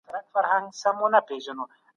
د ساده وسايلو کارول څنګه وو؟